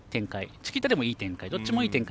チキータでもいい展開。